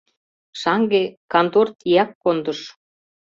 Шаҥге кантор тияк кондыш.